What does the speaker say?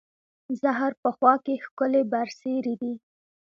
زهر په خوا کې، ښکلې برسېرې دي